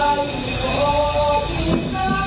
ลูกรออยู่ที่บ้าน